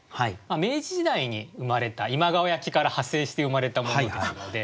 明治時代に生まれた今川焼きから派生して生まれたものですので。